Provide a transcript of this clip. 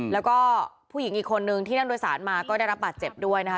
แล้วก็ผู้หญิงอีกคนนึงที่นั่งโดยสารมาก็ได้รับบาดเจ็บด้วยนะคะ